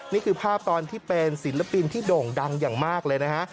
นี่คือภาพตอนที่เป็นศิลปินที่โด่งดังอย่างมากเลยนะฮะ